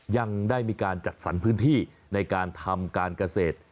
ยังได้มีการจัดสรรพื้นที่ในการทำการเกษตร